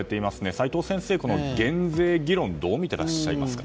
齋藤先生、この減税議論どう見ていらっしゃいますか。